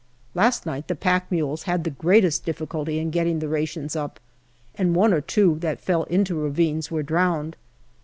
Last night the pack mules had the greatest difficulty in getting the rations up, and one or two that fell into ravines were drowned.